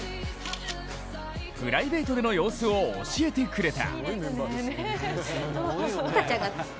プライベートでの様子を教えてくれた。